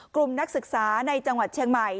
นักศึกษาในจังหวัดเชียงใหม่